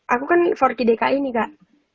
aku kan forky dki nih kak